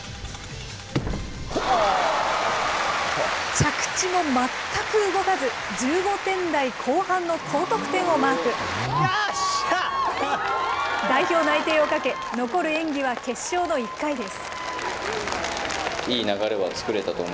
着地も全く動かず、１５点台後半の高得点をマーク。代表内定をかけ、残る演技は決勝の１回です。